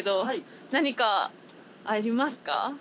何かありますか？